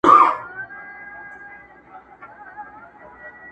كه مالدار دي كه دهقان دي كه خانان دي،